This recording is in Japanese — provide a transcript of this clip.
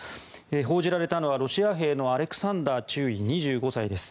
報じられたのはロシア兵のアレクサンダー中尉２５歳です。